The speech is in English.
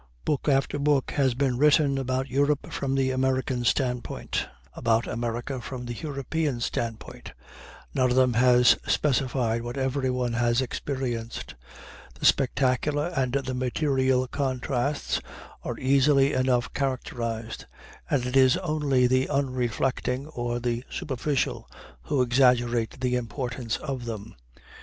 Book after book has been written about Europe from the American standpoint about America from the European standpoint. None of them has specified what everyone has experienced. The spectacular and the material contrasts are easily enough characterized, and it is only the unreflecting or the superficial who exaggerate the importance of them.